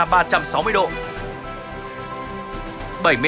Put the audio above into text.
panorama ba trăm sáu mươi độ